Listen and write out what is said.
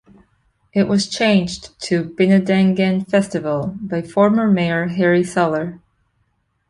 It was changed to Binnadangan Festival by former Mayor Harry Soller.